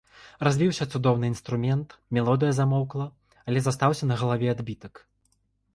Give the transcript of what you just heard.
Разбіўся цудоўны інструмент, мелодыя змоўкла, але застаўся на галаве адбітак.